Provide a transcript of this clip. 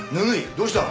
どうした？